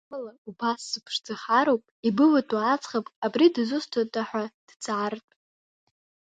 Амала убас сыԥшӡахароуп, ибыватәоу аӡӷаб, абри дызусҭада ҳәа дҵаартә!